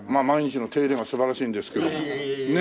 毎日の手入れが素晴らしいんですけども。